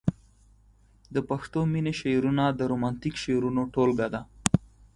د پښتو مينې شعرونه د رومانتيک شعرونو ټولګه ده.